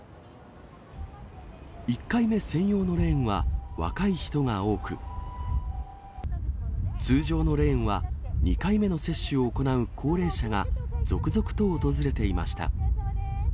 １回目専用のレーンは若い人が多く、通常のレーンは、２回目の接種を行う高齢者が続々と訪れていました。